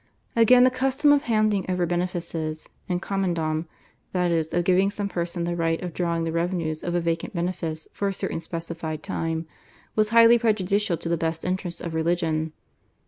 Again the custom of handing over benefices /in commendam/, that is of giving some person the right of drawing the revenues of a vacant benefice for a certain specified time, was highly prejudicial to the best interests of religion.